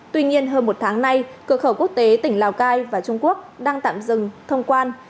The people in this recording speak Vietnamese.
tuy nhiên hơn một tháng nay cửa khẩu quốc tế tỉnh lào cai và trung quốc đang tạm dừng thông quan